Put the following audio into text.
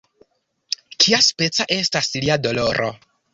Kiaspeca estas lia doloro?